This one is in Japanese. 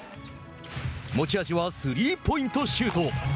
持ち味はスリーポイントシュート。